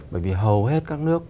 bởi vì hầu hết các nước